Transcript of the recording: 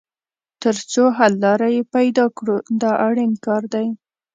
تر څو حل لاره یې پیدا کړو دا اړین کار دی.